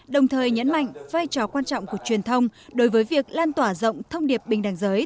đồng thời nhấn mạnh vai trò quan trọng của truyền thông đối với việc lan tỏa rộng thông điệp bình đẳng giới